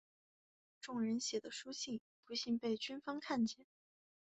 众人写的书信不幸被军方看见。